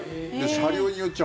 車両によっちゃ